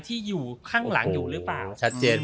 ที่อยู่ข้างหลังเลยเหรอ